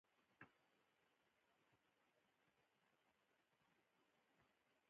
یو دولفین راغی او سید یې په شا سپور کړ.